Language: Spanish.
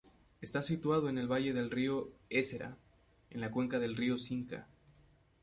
Está situado en el valle del río Ésera, en la cuenca del río Cinca.